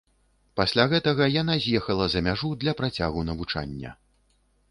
Пасля гэтага яна з'ехала за мяжу для працягу навучання.